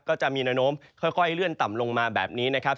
ก็จะมีแนวโน้มค่อยเลื่อนต่ำลงมาแบบนี้นะครับ